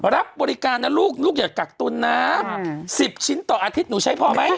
รับบริการนะลูกลูกอย่ากักตุลนะ๑๐ชิ้นต่ออาทิตย์หนูใช้พอไหม